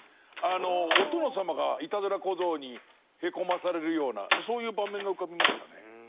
お殿様がいたずら小僧にへこまされるようなそういう場面が浮かびましたね。